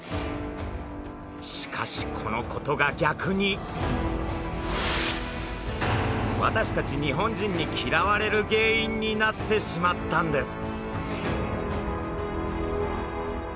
しかしこのことが逆に私たち日本人に嫌われる原因になってしまったんです。